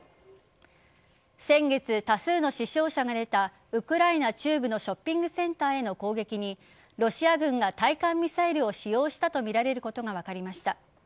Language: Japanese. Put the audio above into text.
先月多数の死傷者が出たウクライナ中部のショッピングセンターへの攻撃にロシア軍が対艦ミサイルを使用したとみられることが分かりました。